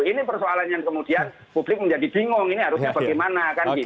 ini persoalannya kemudian publik menjadi bingung ini harusnya bagaimana kan gitu